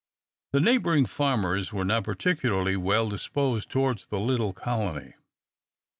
The neighboring farmers were not particularly well disposed towards the little colony.